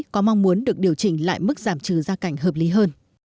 có mong muốn được điều chỉnh lại mức giảm trừ gia cảnh hợp lý hơn